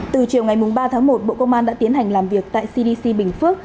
từ chiều ngày ba tháng một bộ công an đã tiến hành làm việc tại cdc bình phước